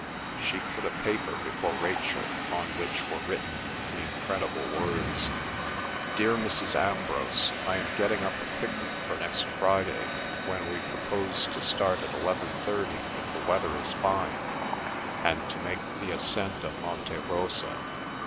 She put a paper before Rachel on which were written the incredible words: DEAR MRS. AMBROSE—I am getting up a picnic for next Friday, when we propose to start at eleven thirty if the weather is fine, and to make the ascent of Monte Rosa.